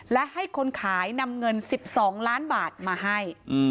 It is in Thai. และให้คนขายนำเงิน๑๒ล้านบาทมาให้